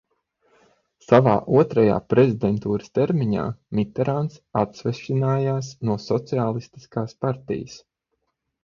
Savā otrajā prezidentūras termiņā Miterāns atsvešinājās no Sociālistiskās partijas.